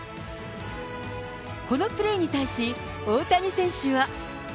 このプレーに対し、大谷選手は。